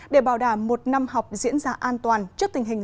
để bảo đảm một năm học diễn ra an toàn trước tình hình